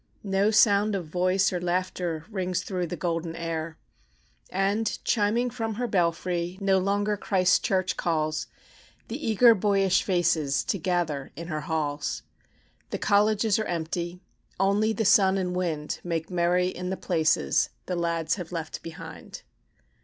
No sound of voice or laughter Rings through the golden air; And, chiming from her belfry, No longer Christchurch calls The eager, boyish faces To gather in her halls. The colleges are empty. Only the sun and wind Make merry in the places The lads have left behind.